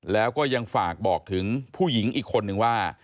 แล้วก็ยังฝากบอกถึงผู้หญิงอีกคนนึงว่า